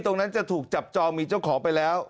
ตรงนั้นจะถูกจับจองมีเจ้าของไปแล้ว